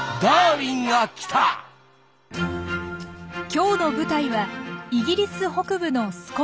今日の舞台はイギリス北部のスコットランド。